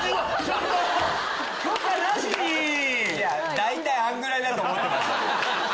大体あんぐらいだと思ってました。